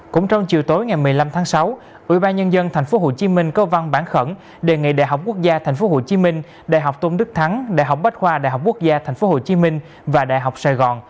cũng trong chiều tối ngày một mươi năm tháng sáu ủy ban nhân dân tp hcm cơ văn bản khẩn đề nghị đại học quốc gia tp hcm đại học tôn đức thắng đại học bách khoa đại học quốc gia tp hcm và đại học sài gòn